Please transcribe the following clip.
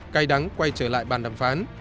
cây đắng quay trở lại bàn đàm phán